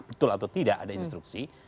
betul atau tidak ada instruksi